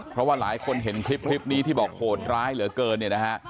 เพราะว่าหลายคนเห็นคลิปนี้ที่บอกโหดร้ายเหลือเกินเนี่ยนะฮะ